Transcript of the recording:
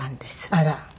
あら。